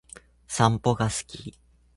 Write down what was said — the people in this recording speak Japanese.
散歩が好き